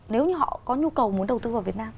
nếu như họ có nhu cầu muốn đầu tư vào việt nam